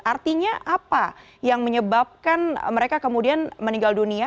artinya apa yang menyebabkan mereka kemudian meninggal dunia